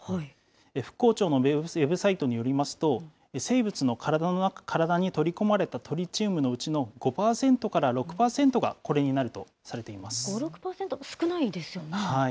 復興庁のウェブサイトによりますと、生物の体に取り込まれたトリチウムのうちの５％から６％がこ５、６％、少ないですよね。